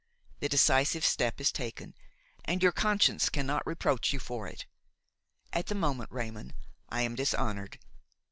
The decisive step is taken, and your conscience cannot reproach you for it. At the moment, Raymon, I am dishonored.